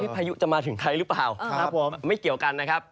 พายุจะมาถึงไทยหรือเปล่าครับผมไม่เกี่ยวกันนะครับ